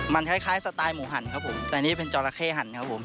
มันคล้ายสไตล์หมูหันครับผมแต่อันนี้เป็นจอระเข้หันครับผม